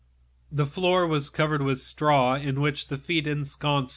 The floor was covered with straw, into which the feet sank.